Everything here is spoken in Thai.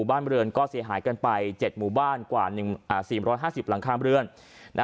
บ้านเรือนก็เสียหายกันไป๗หมู่บ้านกว่า๔๕๐หลังคาเรือน